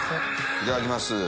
いただきます。